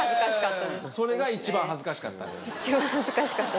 それが一番恥ずかしかった？